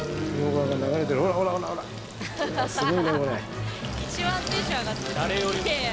すごいね、これ。